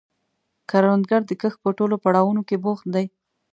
کروندګر د کښت په ټولو پړاوونو کې بوخت دی